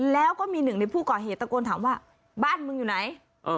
แล้วก็มีหนึ่งในผู้ก่อเหตุตะโกนถามว่าบ้านมึงอยู่ไหน